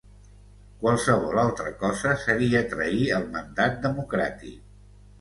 Qualsevol altra cosa seria trair el mandat democràtic.